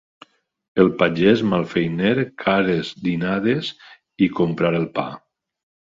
El pagès malfeiner, cares dinades i comprar el pa.